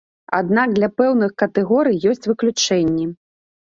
Аднак для пэўных катэгорый есць выключэнні.